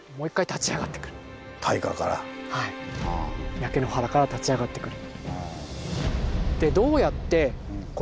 焼け野原から立ち上がってくる。